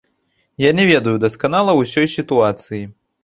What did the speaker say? Я не ведаю дасканала ўсёй сітуацыі.